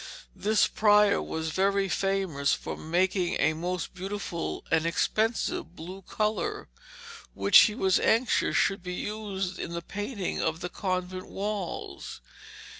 This prior was very famous for making a most beautiful and expensive blue colour which he was anxious should be used in the painting of the convent walls.